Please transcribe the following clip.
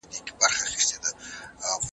تعلیم د ماشومانو ژر ودونو مخنیوی کوي.